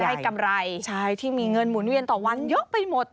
กำไรใช่ที่มีเงินหมุนเวียนต่อวันเยอะไปหมด